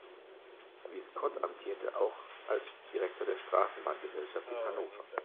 Wiskott amtierte auch als Direktor der Straßenbahngesellschaft in Hannover.